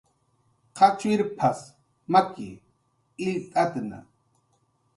"qachwirp""as maki, illt'atna"